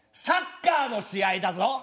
サッカーの試合だぞ。